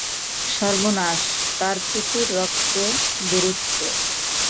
সর্বনাশ, তার প্রচুর রক্ত বেরোচ্ছে।